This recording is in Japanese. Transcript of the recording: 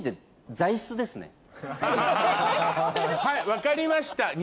はい分かりました。